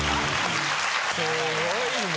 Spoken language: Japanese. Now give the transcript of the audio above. すごいな。